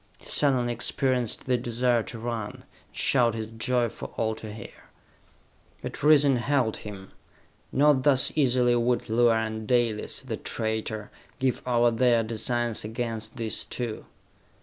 He suddenly experienced the desire to run, and shout his joy for all to hear. But reason held him. Not thus easily would Luar and Dalis, the traitor, give over their designs against these two.